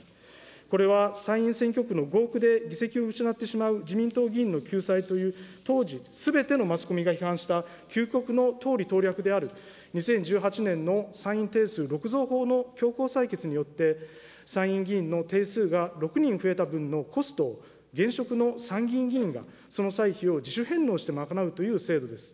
これは、参院選挙区の合区で議席を失ってしまう自民党議員の救済という、当時、すべてのマスコミが批判した、究極の党利党略である、２０１８年の参院定数６増法の強行採決によって、参院議員の定数が６人増えた分のコストを、現職の参議院議員が、その歳費を自主返納して賄うという制度です。